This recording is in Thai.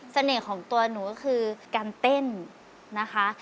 เสน่ห์ของตัวหนูก็คือการเต้นนะครับ